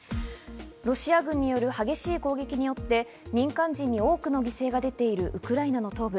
ロシア軍による激しい攻撃によって民間人に多くの犠牲が出ているウクライナの東部。